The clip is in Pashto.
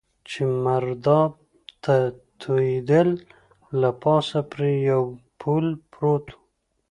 چې مرداب ته توېېدل، له پاسه پرې یو پل پروت و.